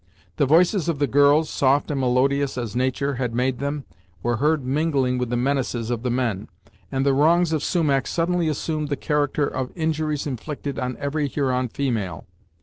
The voices of the girls, soft and melodious as nature had made them, were heard mingling with the menaces of the men, and the wrongs of Sumach suddenly assumed the character of injuries inflicted on every Huron female.